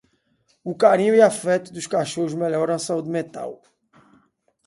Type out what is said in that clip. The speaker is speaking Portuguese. O carinho e afeto dos cachorros melhoram a saúde mental.